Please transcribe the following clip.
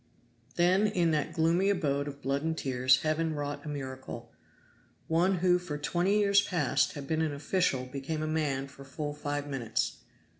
Then in that gloomy abode of blood and tears Heaven wrought a miracle. One who for twenty years past had been an official became a man for full five minutes.